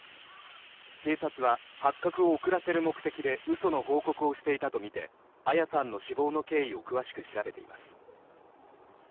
警察は、発覚を遅らせる目的で嘘の報告をしていたとみて彩さんの死亡の経緯を詳しく調べています。